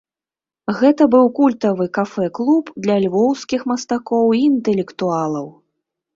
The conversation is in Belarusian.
Гэта быў культавы кафэ-клуб для львоўскіх мастакоў і інтэлектуалаў.